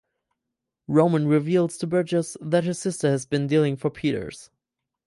Roman reveals to Burgess that his sister has been dealing for Peters.